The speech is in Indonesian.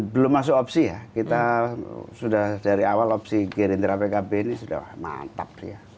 belum masuk opsi ya kita sudah dari awal opsi gerindra pkb ini sudah mantap